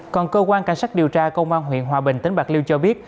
còn cơ quan cảnh sát điều tra công an huyện hòa bình tỉnh bạc liêu cho biết